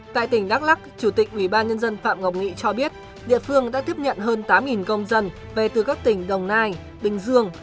tại tỉnh đắk lắc chủ tịch ủy ban nhân dân phạm ngọc nghị cho biết địa phương đã tiếp nhận hơn tám công dân về từ các tỉnh đồng nai bình dương